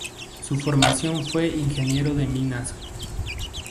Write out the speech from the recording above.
Su formación fue ingeniero de minas.